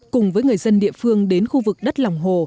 cùng với người dân địa phương đến khu vực đất lòng hồ